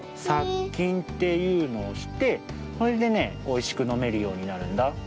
さっきんっていうのをしてそれでねおいしくのめるようになるんだ。